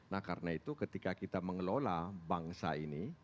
nah karena itu ketika kita mengelola bangsa ini